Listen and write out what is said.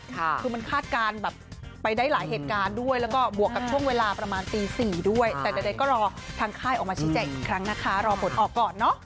คือมันคาดการณ์แบบไปได้หลายเหตุการณ์ด้วยแล้วก็บวกกับช่วงเวลาประมาณตี๔ด้วยแต่ใดก็รอทางค่ายออกมาชี้แจงอีกครั้งนะคะรอผลออกก่อนเนอะ